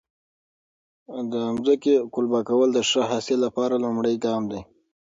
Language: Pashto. د ځمکې قلبه کول د ښه حاصل لپاره لومړی ګام دی.